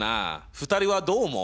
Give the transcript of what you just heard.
２人はどう思う？